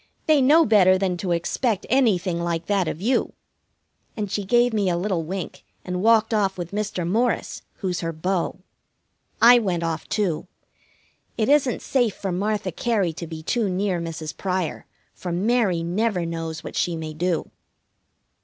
"They know better than to expect anything like that of you," and she gave me a little wink and walked off with Mr. Morris, who's her beau. I went off, too. It isn't safe for Martha Cary to be too near Mrs. Pryor, for Mary never knows what she may do.